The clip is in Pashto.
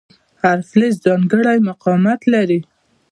هر فلز ځانګړی مقاومت لري.